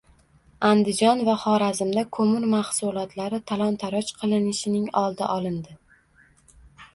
Andijon va Xorazmda ko‘mir mahsulotlari talon-toroj qilinishining oldi olindi